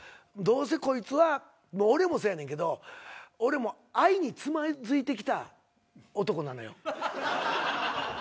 どうせこいつは俺もそうやねんけど俺も愛につまずいてきた男なのよ。